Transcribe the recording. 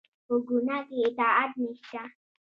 په ګناه کې اطاعت نشته